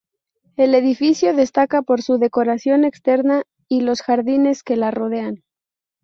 El edificio destaca por su decoración externa y los jardines que la rodean.